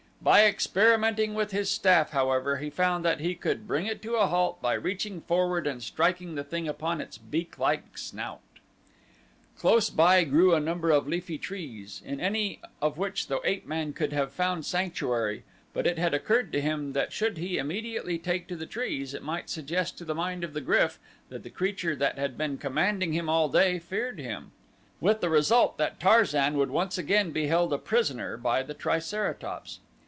By experimenting with his staff, however, he found that he could bring it to a halt by reaching forward and striking the thing upon its beaklike snout. Close by grew a number of leafy trees, in any one of which the ape man could have found sanctuary, but it had occurred to him that should he immediately take to the trees it might suggest to the mind of the GRYF that the creature that had been commanding him all day feared him, with the result that Tarzan would once again be held a prisoner by the triceratops.